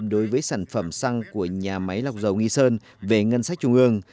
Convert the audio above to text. đối với sản phẩm xăng của nhà máy lọc dầu nghi sơn về ngân sách trung ương